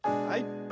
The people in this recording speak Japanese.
はい！